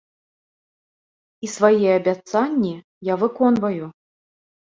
І свае абяцанні я выконваю.